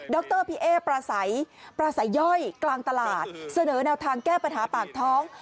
รพี่เอ๊ปราศัยปราศัยย่อยกลางตลาดเสนอแนวทางแก้ปัญหาปากท้อง